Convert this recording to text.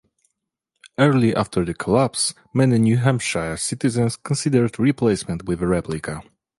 Early after the collapse, many New Hampshire citizens considered replacement with a replica.